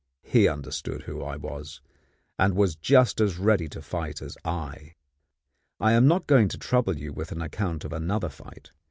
He understood who I was, and was just as ready to fight as I. I am not going to trouble you with an account of another fight.